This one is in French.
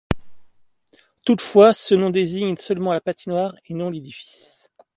Toutefois, ce nom désigne seulement la patinoire, et non l'édifice.